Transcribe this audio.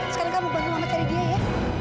sekarang kamu bantu muhammad cari dia ya